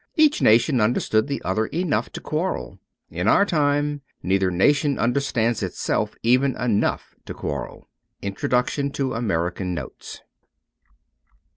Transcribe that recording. Each nation understood the other enough to quarrel. In our time, neither nation understands itself even enough to quarrel. Introduction to ''American Notes.'